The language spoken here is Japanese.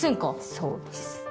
そうです。